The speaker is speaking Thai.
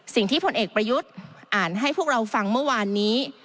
ผลเอกประยุทธ์อ่านให้พวกเราฟังเมื่อวานนี้